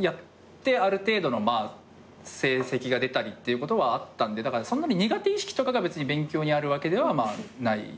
やってある程度の成績が出たりっていうことはあったんでだからそんなに苦手意識とかが勉強にあるわけではないっすね。